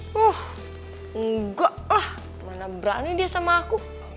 wuh enggak lah mana berani dia sama aku